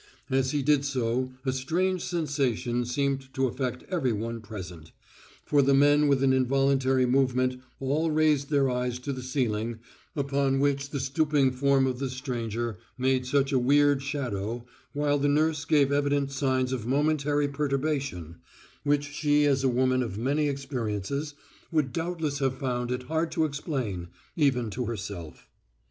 As he did so a strange sensation seemed to affect every one present, for the men with an involuntary movement all raised their eyes to the ceiling upon which the stooping form of the stranger made such a weird shadow, while the nurse gave evident signs of momentary perturbation, which she as a woman of many experiences would doubtless have found it hard to explain even to herself.